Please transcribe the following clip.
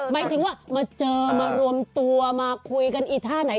หมายถึงว่ามาเจอมารวมตัวมาคุยกันอีท่าไหน